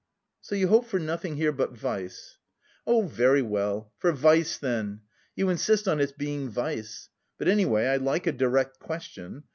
"So you hope for nothing here but vice?" "Oh, very well, for vice then. You insist on its being vice. But anyway I like a direct question.